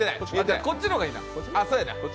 こっちのがいいな。